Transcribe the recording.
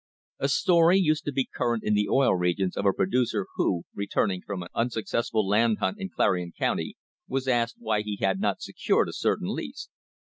A story used to be current in the Oil Regions of a producer who, returning from an unsuccessful land hunt in Clarion County was asked why he had not secured a certain lease.